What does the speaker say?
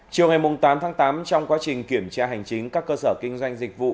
chiều ngày tám tháng tám trong quá trình kiểm tra hành chính các cơ sở kinh doanh dịch vụ